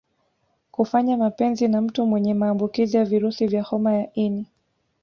Kufanya mapenzi na mtu mwenye maambukizi ya virusi vya homa ya ini